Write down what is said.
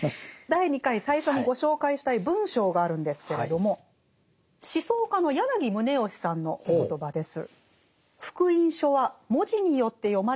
第２回最初にご紹介したい文章があるんですけれども思想家の柳宗悦さんのお言葉です。